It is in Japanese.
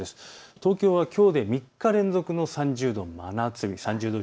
東京はきょうで３日連続３０度、真夏日です。